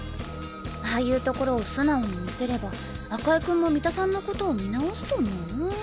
ああいうところを素直に見せれば赤井君も三田さんのことを見直すと思うなぁ。